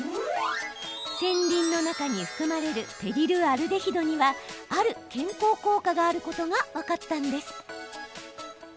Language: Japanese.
腺鱗の中に含まれるペリルアルデヒドにはある健康効果があることが分かったんです。